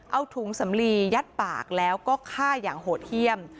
เอาถุงสำลียัดปากแล้วก็ฆ่าอย่างโหดเยี่ยม